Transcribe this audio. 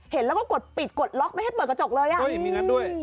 เห็นแล้วก็กดปิดกดล็อกไม่ให้เปิดกระจกเลยอ่ะมีงั้นด้วย